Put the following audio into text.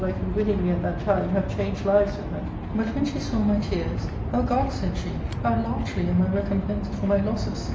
^ could willingly at that time have changed lives with her. {But when she saw my tears, * O God,' said she, * how largely am I recompensed for my losses.!